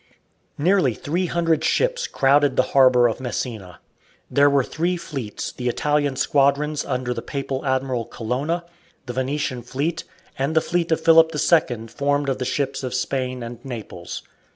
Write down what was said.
Nearly three hundred ships crowded the harbour of Messina. There were three fleets, the Italian squadrons under the papal admiral Colonna, the Venetian fleet, and the fleet of Philip II formed of the ships of Spain and Naples.